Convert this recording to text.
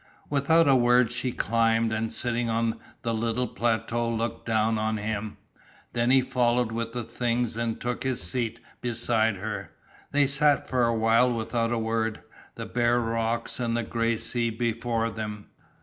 Without a word she climbed and sitting on the little plateau looked down on him. Then he followed with the things and took his seat beside her. They sat for a while without a word, the bare rocks and the grey sea before them.